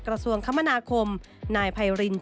เป็นอย่างไรนั้นติดตามจากรายงานของคุณอัญชาฬีฟรีมั่วครับ